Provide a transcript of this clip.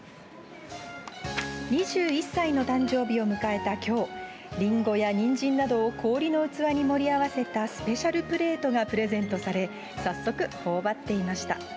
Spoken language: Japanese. ２１歳の誕生日を迎えたきょう、リンゴやニンジンなどを氷の器に盛り合わせたスペシャルプレートがプレゼントされ、早速ほおばっていました。